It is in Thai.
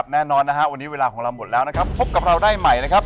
แน่นอนนะฮะวันนี้เวลาของเราหมดแล้วนะครับพบกับเราได้ใหม่นะครับ